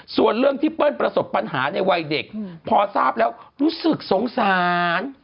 ส่วนเรื่องที่เปิ้ลประสบปัญหาในวัยเด็กพอทราบแล้วรู้สึกสงสาร